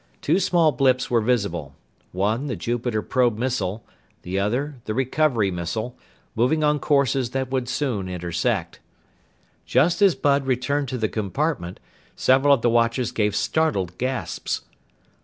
Two small blips were visible one the Jupiter probe missile, the other the recovery missile moving on courses that would soon intersect. Just as Bud returned to the compartment, several of the watchers gave startled gasps.